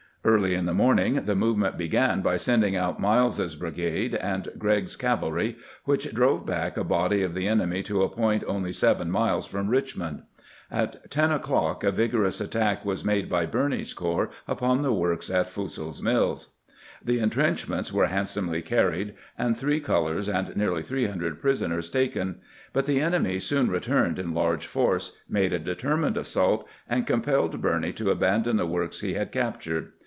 Early in the morning the movement began by sending out Miles's brigade and Gregg's cavalry, which drove back a body of the enemy to a point only seven miles from Richmond. At ten o'clock a vigorous attack was made by Birney's corps upon the works at Fussell's Mills. The intrenchments were handsomely carried, and three colors and nearly three hundred prisoners taken ; but the enemy soon re turned in large force, made a determined assault, and compelled Birney to abandon the works he had cap tured.